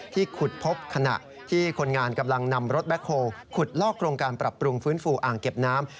ขุดพบขณะที่คนงานกำลังนำรถแบ็คโฮลขุดลอกโครงการปรับปรุงฟื้นฟูอ่างเก็บน้ำ